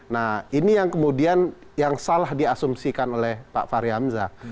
nah ini yang kemudian yang salah diasumsikan oleh pak fahri hamzah